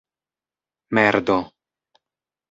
merdo